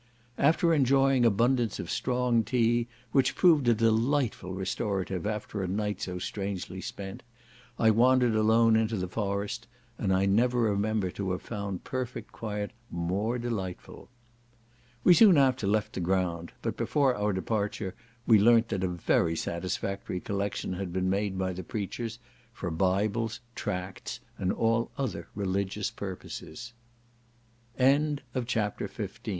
After enjoying abundance of strong tea, which proved a delightful restorative after a night so strangely spent, I wandered alone into the forest, and I never remember to have found perfect quiet more delightful. We soon after left the ground; but before our departure we learnt that a very satisfactory collection had been made by the preachers, for Bibles, Tracts, and all other religious purposes. CHAPT